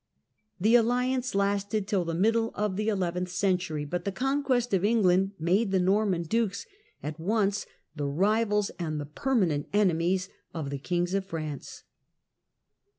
The alliance lasted till the middle of the eleventh century, but the conquest of England made the Norman dukes at once the rivals and the permanent enemies of the kings of France.